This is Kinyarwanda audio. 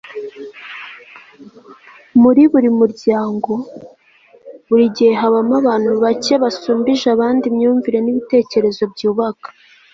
muri buri muryango, buri gihe habamo abantu bake basumbije abandi imyumvire n'ibitekerezo byubaka